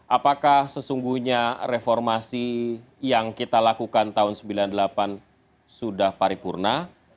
apakah sesungguhnya reformasi yang kita lakukan tahun sembilan puluh delapan sudah paripurna